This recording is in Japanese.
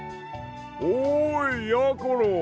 おいやころ！